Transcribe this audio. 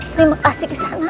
terima kasih kisanak